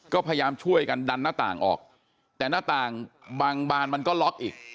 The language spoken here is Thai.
ก็พยายามช่วยกันดันหน้าต่างออกแต่หน้าต่างบางบานมันก็ล็อกอีก